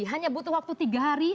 hanya butuh waktu tiga hari